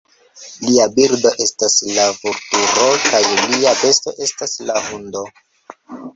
Lia birdo estas la vulturo, kaj lia besto estas la hundo.